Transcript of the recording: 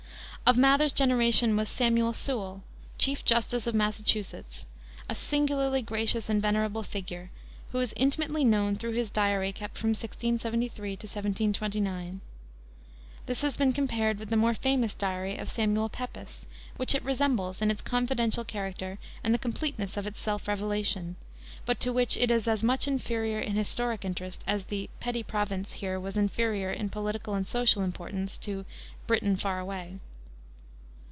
Of Mather's generation was Samuel Sewall, Chief Justice of Massachusetts, a singularly gracious and venerable figure, who is intimately known through his Diary kept from 1673 to 1729. This has been compared with the more famous diary of Samuel Pepys, which it resembles in its confidential character and the completeness of its self revelation, but to which it is as much inferior in historic interest as "the petty province here" was inferior in political and social importance to "Britain far away."